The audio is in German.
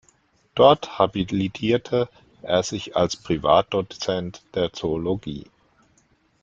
Dort habilitierte er sich als Privatdozent der Zoologie.